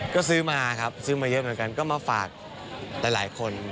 ก็ซื้อมาครับซื้อมาเยอะเหมือนกันก็มาฝากหลายคน